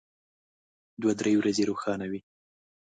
دوه درې ورځې روښانه وي.